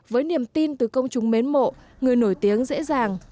với niềm tin từ công chúng mến mộ người nổi tiếng dễ dàng